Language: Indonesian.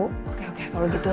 oke oke kalau gitu